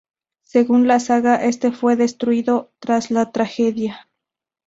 Según la saga, este fue destruido tras la tragedia.